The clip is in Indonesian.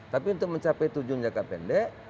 tapi untuk mencapai tujuan jangka pendek